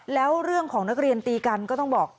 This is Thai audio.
แล้วเรื่องของนักเรียนตีกันก็ต้องบอก